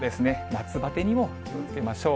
夏ばてにも気をつけましょう。